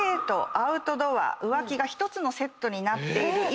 アウトドア浮気が１つのセットになっている今